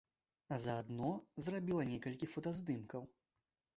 А заадно зрабіла некалькі фотаздымкаў.